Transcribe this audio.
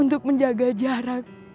untuk menjaga jarak